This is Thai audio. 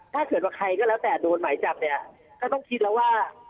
ถ้าเกิดว่าใครก็แล้วแต่โดนหมายจับเนี่ยก็ต้องคิดแล้วว่า